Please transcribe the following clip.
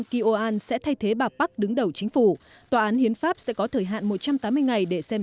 geo al sẽ statistic và park đứng đầu chính phủ toàn hiến pháp sẽ có thời hạn một trăm tám mươi ngày để xem